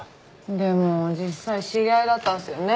でも実際知り合いだったんですよね